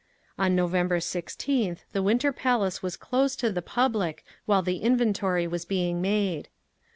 On November 16th the Winter Palace was closed to the public while the inventory was being made….